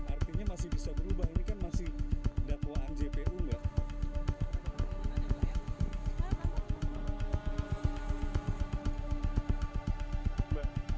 artinya masih bisa berubah ini kan masih dakwaan jpu nggak